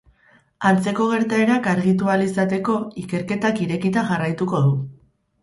Antzeko gertaerak argitu ahal izateko, ikerketak irekita jarraituko du.